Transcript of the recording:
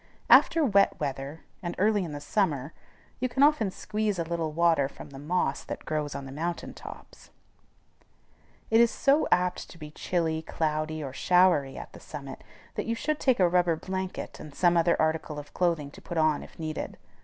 After wet weather, and early in the summer, you can often squeeze a little water from the moss that grows on mountain tops. It is so apt to be chilly, cloudy, or showery at the summit, that you should take a rubber blanket and some other article of clothing to put on if needed.